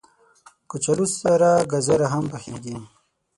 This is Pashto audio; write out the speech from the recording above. کچالو سره ګازر هم پخېږي